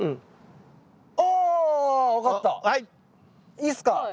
いいっすか？